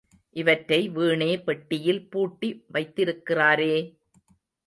இவற்றை வீணே பெட்டியில் பூட்டி வைத்திருக்கிறாரே!